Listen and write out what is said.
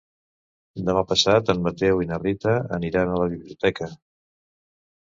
Demà passat en Mateu i na Rita aniran a la biblioteca.